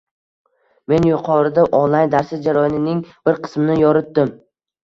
Men yuqorida onlayn darslik jarayonining bir qismini yoritdim